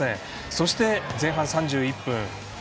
そして前半３１分。